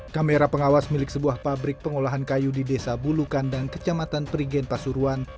kamera pengawas milik sebuah pabrik pengolahan kayu di desa bulu kandang kecamatan perigen pasuruan